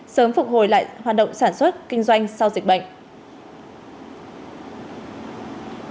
sớm phục hồi lại hoạt động sản xuất kinh doanh sau dịch bệnh